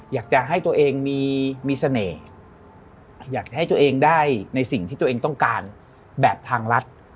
อยากจะให้ตัวเองมีเสน่ห์อยากให้ตัวเองได้ในสิ่งที่ตัวเองต้องการแบบทางรัฐ